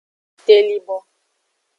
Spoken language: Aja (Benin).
Telibo.